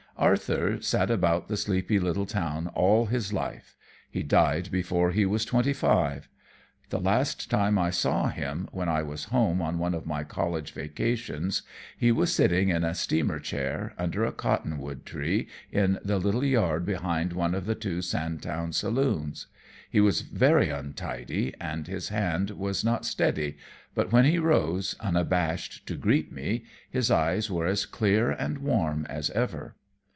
Arthur sat about the sleepy little town all his life he died before he was twenty five. The last time I saw him, when I was home on one of my college vacations, he was sitting in a steamer chair under a cottonwood tree in the little yard behind one of the two Sandtown saloons. He was very untidy and his hand was not steady, but when he rose, unabashed, to greet me, his eyes were as clear and warm as ever.